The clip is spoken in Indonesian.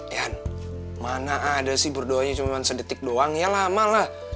ya mana ada sih berdoanya cuma sedetik doang ya lama lah